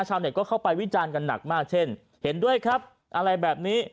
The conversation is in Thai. ชาวเน็ตก็เข้าไปวิจารณ์กันหนักมากเช่นเห็นด้วยครับอะไรแบบนี้